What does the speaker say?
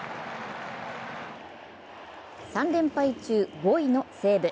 ３連敗中・５位の西武。